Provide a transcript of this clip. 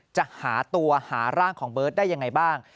จะหาตัวหาร่างของเบิร์ตได้ยังไงบ้าง